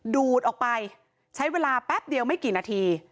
ดูดออกไปใช้เวลาแป๊บเดียวไม่กี่นาที